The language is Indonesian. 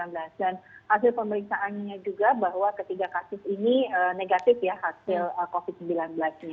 dan hasil pemeriksaannya juga bahwa ketiga kasus ini negatif ya hasil covid sembilan belas nya